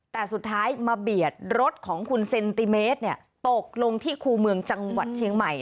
แต่สุดท้ายมาเบียดรถของคุณเซนติเมตรตกลงที่คู่เมืองจังหวัดเชียงใหม่